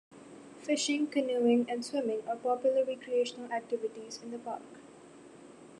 Fishing, canoeing and swimming are popular recreational activities in the park.